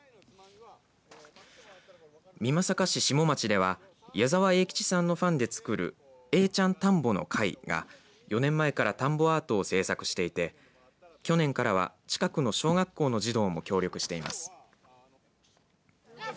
美作市下町では矢沢永吉さんのファンで作る永ちゃん田んぼの会が４年前から田んぼアートを制作していて去年から近くの小学校の児童も協力しています。